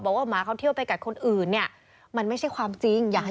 ว่าหมาเขาเที่ยวไปกัดคนอื่นเนี่ยมันไม่ใช่ความจริงอยากให้